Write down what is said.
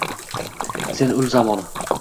Sen ul zamon